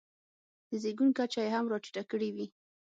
د زېږون کچه یې هم راټیټه کړې وي.